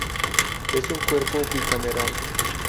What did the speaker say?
Es un cuerpo bicameral.